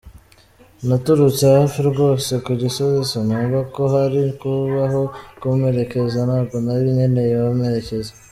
naturutse hafi rwose ku Gisozi, sinumva ko hari kubaho kumperekeza, ntago nari nkeneye abamperekeza.